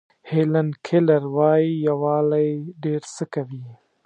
هیلن کیلر وایي یووالی ډېر څه کوي.